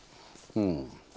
うん？